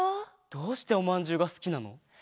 どうしておまんじゅうがすきなの？